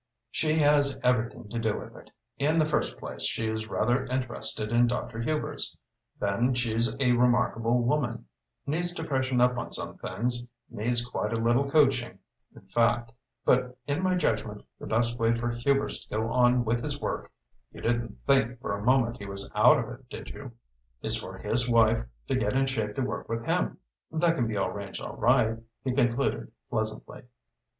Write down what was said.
"She has everything to do with it. In the first place, she is rather interested in Dr. Hubers. Then she's a remarkable woman. Needs to freshen up on some things, needs quite a little coaching, in fact; but in my judgment the best way for Hubers to go on with his work you didn't think for a moment he was out of it, did you? is for his wife to get in shape to work with him. That can be arranged all right?" he concluded pleasantly.